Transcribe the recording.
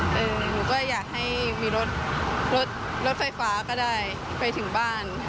หนูก็อยากให้มีรถรถไฟฟ้าก็ได้ไปถึงบ้าน